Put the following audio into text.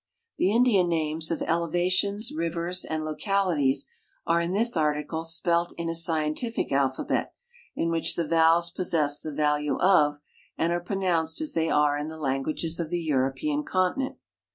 The Indian names of elevations, rivers, and localities are in this article spelt in a scientific alphabet in which the vowels possess the value of and are pronounced as the}^ are in the lan guages of the European continent.